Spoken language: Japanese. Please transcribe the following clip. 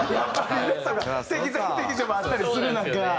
適材適所もあったりする中。